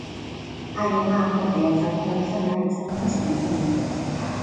Haiengan konfiantza osoa izanda, hitzarmena sinatu nuen.